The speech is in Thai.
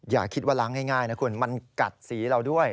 อย่าคิดว่าล้างง่ายนะคุณมันกัดสีเราด้วย